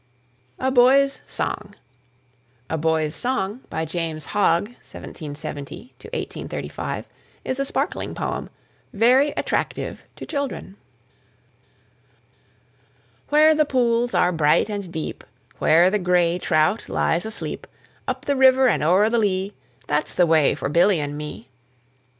A BOY'S SONG "A Boy's Song," by James Hogg (1770 1835), is a sparkling poem, very attractive to children. Where the pools are bright and deep, Where the gray trout lies asleep, Up the river and o'er the lea, That's the way for Billy and me.